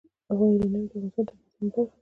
یورانیم د افغانستان د طبیعي زیرمو برخه ده.